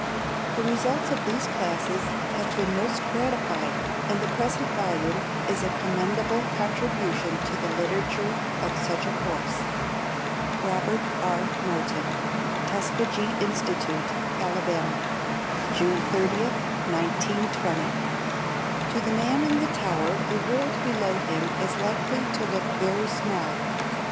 The results of these classes have been most gratifying and the present volume is a commendable contribution to the literature of such a course. ROBERT R. MOTON TUSKEGEE INSTITUTE, ALA., June 30, 1920 To the man in the tower the world below him is likely to look very small.